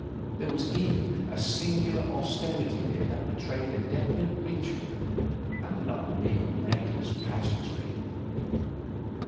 There was even a singular austerity in it that betrayed a definite ritual and not mere reckless pageantry.